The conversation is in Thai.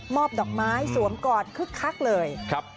ดอกไม้สวมกอดคึกคักเลย